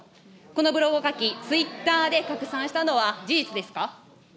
このブログを書き、ツイッターで拡散したのは事実ですか。